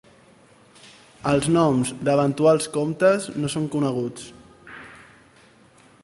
Els noms d'eventuals comtes no són coneguts.